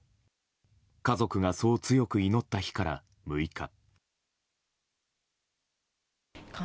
家族がそう強く祈った日から６日。